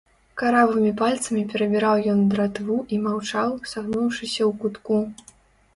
Каравымі пальцамі перабіраў ён дратву і маўчаў, сагнуўшыся ў кутку.